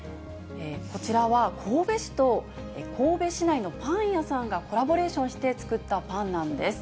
こちらは神戸市と、神戸市内のパン屋さんがコラボレーションして作ったパンなんです。